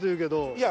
いや。